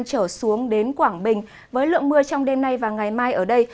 trở xuống đến quảng bình với lượng mưa trong đêm nay và ngày mai ở đây